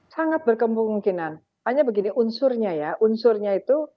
sangat berkemungkinan hanya begini unsurnya ya unsurnya itu